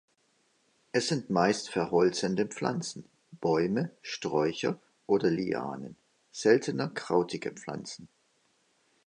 Es sind meist verholzende Pflanzen: Bäume, Sträucher oder Lianen, seltener krautige Pflanzen.